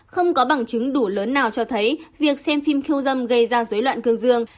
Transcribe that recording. không có bằng chứng đủ lớn nào cho thấy việc xem phim khiêu dâm gây ra dối loạn cương dương